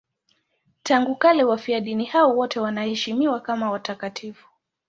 Tangu kale wafiadini hao wote wanaheshimiwa kama watakatifu.